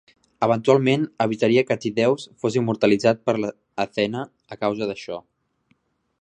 Eventualment evitaria que Tydeus fos immortalitzat per Athena a causa d'això.